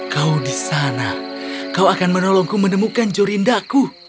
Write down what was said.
kau di sana kau akan menolongku menemukan jorindaku